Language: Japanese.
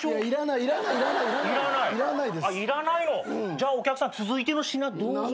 じゃあお客さん続いての品どうぞ。